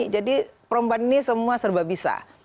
jadi perempuan ini semua serba bisa